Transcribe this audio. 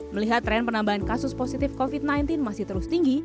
melihat tren penambahan kasus positif covid sembilan belas masih terus tinggi